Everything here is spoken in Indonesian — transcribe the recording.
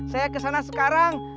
saya kesana sekarang